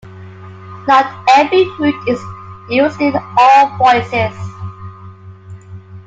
Not every root is used in all voices.